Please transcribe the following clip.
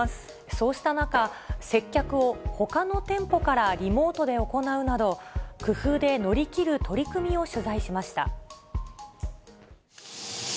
そうした中、接客をほかの店舗からリモートで行うなど、工夫で乗り切る取り組みを取材しました。